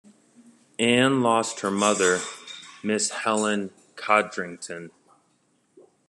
Ann lost her mother, Mrs. Helen Codrington.